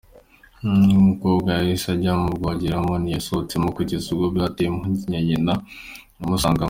Uyu mukobwa yahise ajya mu bwogero, ntiyasohotsemo kugeza ubwo byateye impungenge nyina umusangamo.